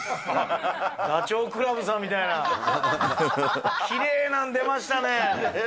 ダチョウ倶楽部さんみたいな、きれいなん、出ましたね！